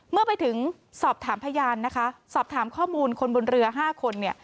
เมื่อไปถึงสอบถามพยานนะคะสอบถามข้อมูลคนบนเรือ๕คนเนี่ย